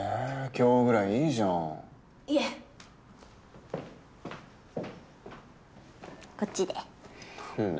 今日ぐらいいいじゃんいえこっちでなんだよ